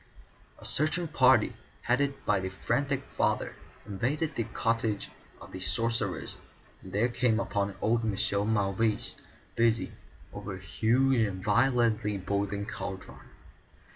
A searching party, headed by the frantic father, invaded the cottage of the sorcerers and there came upon old Michel Mauvais, busy over a huge and violently boiling cauldron.